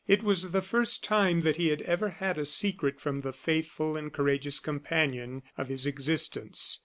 It was the first time that he had ever had a secret from the faithful and courageous companion of his existence.